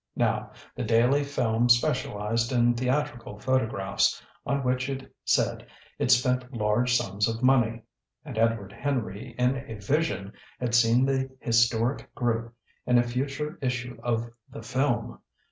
Now The Daily Film specialised in theatrical photographs, on which it said it spent large sums of money; and Edward Henry in a vision had seen the historic group in a future issue of the Film.